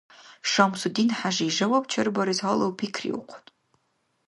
ШамсудинхӀяжи жаваб чарбарес гьалав пикриухъун